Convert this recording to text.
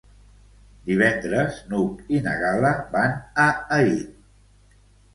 Divendres n'Hug i na Gal·la van a Aín.